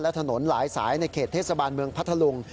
และถนนหลายสายในเขตเทศบาลเมืองพัทธลุง